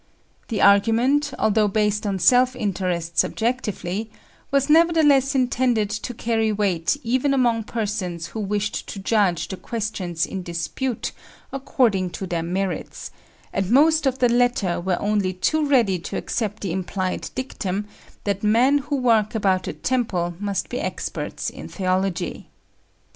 The argument, although based on self interest subjectively, was nevertheless intended to carry weight even among persons who wished to judge the questions in dispute according to their merits, and most of the latter were only too ready to accept the implied dictum that men who work about a temple must be experts in theology!